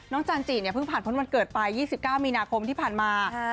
จันจิเนี่ยเพิ่งผ่านพ้นวันเกิดไป๒๙มีนาคมที่ผ่านมา